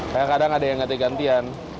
kadang kadang ada yang ganti gantian